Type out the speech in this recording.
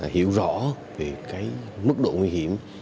hiểu rõ về cái mức độ nguy hiểm